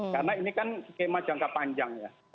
karena ini kan skema jangka panjang ya